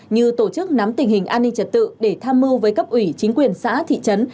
như tổ chức nắm tình hình an ninh trật tự để tham mưu với cấp ủy chính quyền xã thị trấn